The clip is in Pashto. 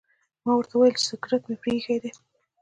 ما ورته وویل چې سګرټ مې پرې ایښي دي.